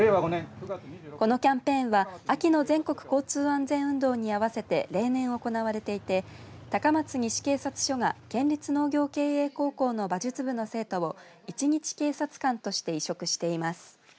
このキャンペーンは秋の全国交通安全運動に合わせて例年行われていて高松西警察署が県立農業経営高校の馬術部の生徒を一日警察官として委嘱しています。